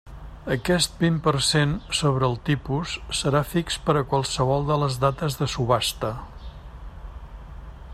Aquest vint per cent sobre el tipus serà fix per a qualsevol de les dates de subhasta.